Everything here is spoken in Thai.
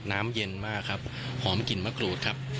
น้ำเย็นมากครับหอมกลิ่นมะกรูดครับ